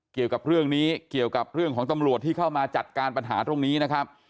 เกี่ยวกับเรื่องนี้เกี่ยวกับเรื่องของตำรวจที่เข้ามาจัดการปัญหาตรงนี้นะครับ